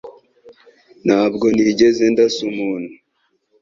Ntabwo nigeze ndasa umuntu